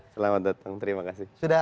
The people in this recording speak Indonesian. selamat datang terima kasih